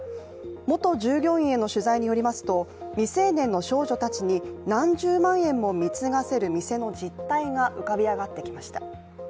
元従業員への取材によりますと未成年の少女たちに何十万円も貢がせる店の実態が浮かび上がってきました。